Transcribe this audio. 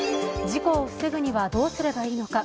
事故を防ぐにはどうすればいいのか。